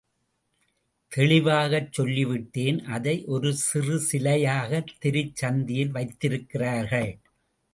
தெளிவாகச் சொல்லிவிட்டேன், அதை ஒரு சிறு சிலையாகத் தெருச் சந்தியில் வைத்திருக்கிறார்கள்.